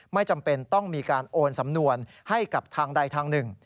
ไม่จำเป็นต้องมีการโอนสำนวนให้กับทางใดทางหนึ่ง